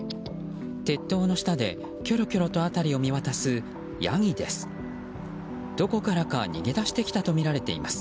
鉄塔の下でキョロキョロと辺りを見渡すヤギです。